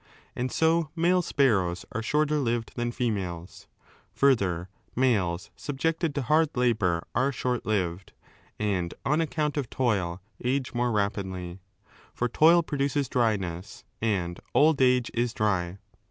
And so male sparrows are shorter lived than females. Further, males subjected to hard labour are short lived, and on account of toil age more rapidly.^ For toil produces dryness, and old age is dry.